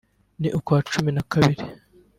n’ukwa cumi na kabiri